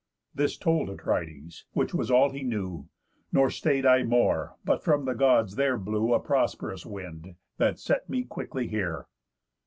This told Atrides, which was all he knew. Nor stay'd I more, but from the Gods there blew A prosp'rous wind, that set me quickly here."